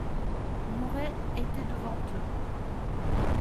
Mouret était devant eux.